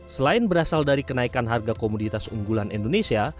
selain berasal dari kenaikan harga komoditas unggulan indonesia